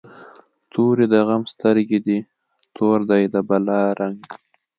توری د غم سترګی دي، تور دی د بلا رنګ